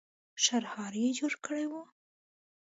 شړهار يې جوړ کړی و.